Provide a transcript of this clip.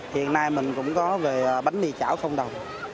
hiện nay mình cũng có về bánh mì chảo không đồng